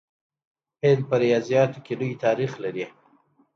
هند په ریاضیاتو کې لوی تاریخ لري.